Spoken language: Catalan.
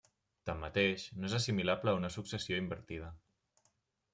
Tanmateix, no és assimilable a una successió invertida.